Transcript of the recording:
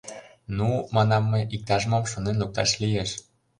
— Ну, — манам мый, — иктаж-мом шонен лукташ лиеш.